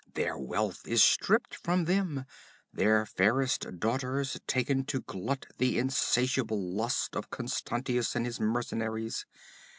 Their wealth is stripped from them, their fairest daughters taken to glut the insatiable lust of Constantius and his mercenaries.